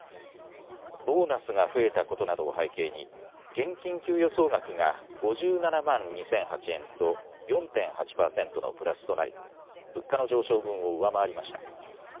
ボーナスが増えたことなどを背景に現金給与総額が５７万２００８円と４．８％のプラスとなり物価の上昇分を上回りました。